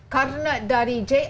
karena dari jat